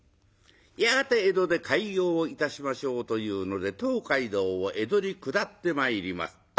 やがて江戸で開業をいたしましょうというので東海道を江戸に下ってまいります。